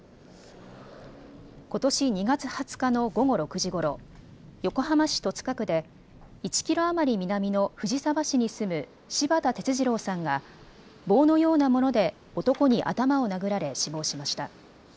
ことし２月２０日の午後６時ごろ、横浜市戸塚区で１キロ余り南の藤沢市に住む柴田哲二郎さんが棒のようなもので男に頭を殴られ死亡しました。